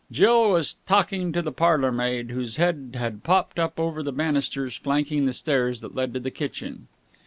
Jill was talking to the parlourmaid whose head had popped up over the banisters flanking the stairs that led to the kitchen.